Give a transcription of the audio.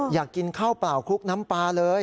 อยากกินข้าวเปล่าคลุกน้ำปลาเลย